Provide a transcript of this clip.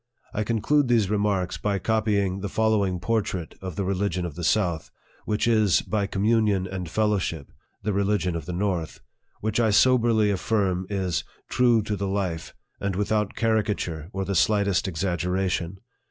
I conclude these remarks by copying the following portrait of the religion of the south, (which is, by communion and fellowship, the religion of the north,) which I soberly affirm is " true to the life," and with out caricature or the slightest exaggeration.